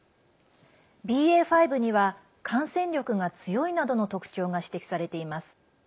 ＢＡ．５には感染力が強いなどの特徴が指摘されています。